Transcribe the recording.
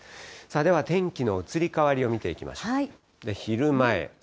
では天気の移り変わりを見ていきましょう。